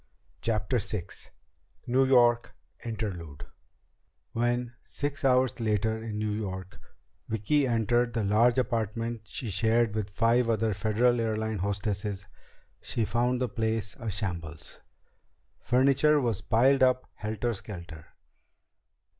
CHAPTER VI New York Interlude When, six hours later in New York, Vicki entered the large apartment she shared with five other Federal Airlines hostesses, she found the place a shambles. Furniture was piled up helter skelter.